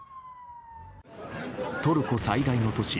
トルコ最大の都市